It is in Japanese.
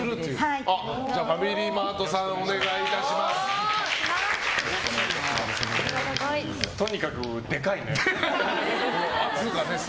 ファミリーマートさんお願いいたします。